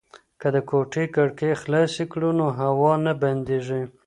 که د کوټې کړکۍ خلاصې کړو نو هوا نه بندیږي.